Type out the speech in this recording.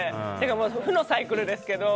負のサイクルですけど。